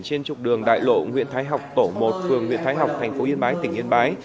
trên trục đường đại lộ nguyễn thái học tổ một phường nguyễn thái học thành phố yên bái tỉnh yên bái